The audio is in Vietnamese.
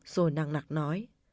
rồi nặng nặng nói